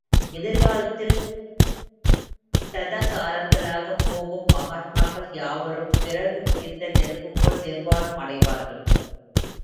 எதிர்காலத்தில் ததாகதர்களாகப் போகும் மகாத்மாக்கள் யாவரும் விறகு தீர்ந்த நெருப்புப்போல் நிர்வாணம் அடைவார்கள்.